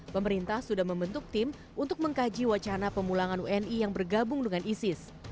pemerintah sudah membentuk tim untuk mengkaji wacana pemulangan wni yang bergabung dengan isis